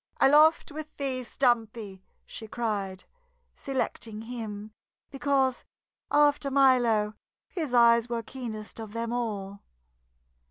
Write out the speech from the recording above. "Aloft with thee, Stumpy!" she cried, selecting him because after Milo his eyes were keenest of them all.